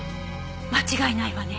間違いないわね。